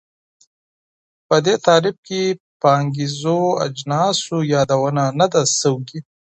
په دې تعریف کي د پانګیزو اجناسو یادونه نه ده سوي.